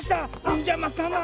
んじゃまたな。